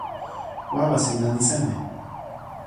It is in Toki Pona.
wawa sina li seme?